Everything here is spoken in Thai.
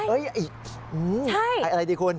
เอยไอ๋เอ่ยอะไรดิคุณ